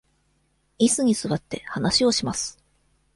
いすに座って、話をします。